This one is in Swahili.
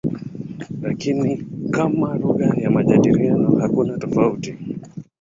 Lakini kama lugha ya majadiliano hakuna tofauti.